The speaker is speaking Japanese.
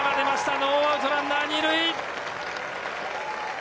ノーアウト、ランナー２塁。